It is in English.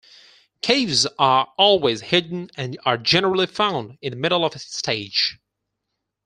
Caves are always hidden and are generally found in the middle of a stage.